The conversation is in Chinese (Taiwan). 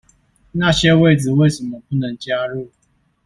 那些位子為什麼不能加入？